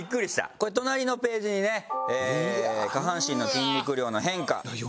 これ隣のページにね下半身の筋肉量の変化。